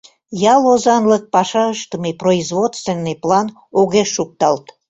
Ял озанлык паша ыштыме, производственный план огеш шукталт.